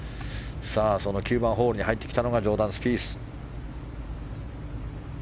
その９番ホールに入ってきたのがジョーダン・スピース。